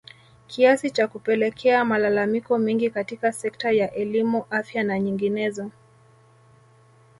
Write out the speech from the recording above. kiasi cha kupelekea malalamiko mengi katika sekta ya elimu afya na nyinginezo